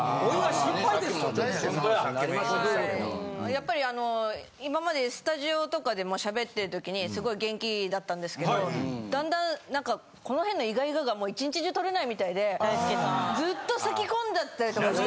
やっぱりあの今までスタジオとかでも喋ってる時にすごい元気だったんですけどだんだん何かこの辺のイガイガが１日中取れないみたいでずっと咳き込んじゃったりとかして。